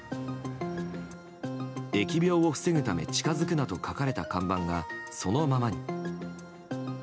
疫病を防ぐため近づくなと書かれた看板が、そのままに。